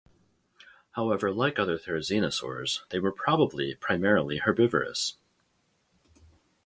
However, like other therizinosaurs, they were probably primarily herbivorous.